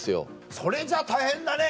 それじゃ大変だね！